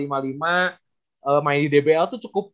main di dbl itu cukup